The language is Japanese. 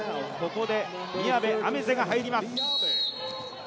ここで宮部愛芽世が入ります。